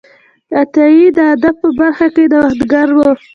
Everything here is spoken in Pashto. عطایي د ادب په برخه کې نوښتګر و.